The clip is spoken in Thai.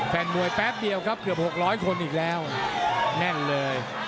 แฟนมวยแป๊บเดียวครับเกือบ๖๐๐คนอีกแล้วแน่นเลย